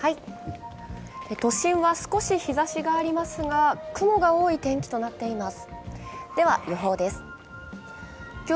都心は少し日ざしがありますが雲が多い天気となっています。